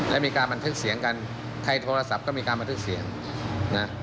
และมีการบันทึกเสียงกันใครโทรศัพท์ก็มีการบันทึกเสียงนะ